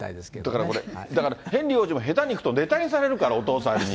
だからこれ、ヘンリー王子も下手に行くとネタにされるから、お父さんに。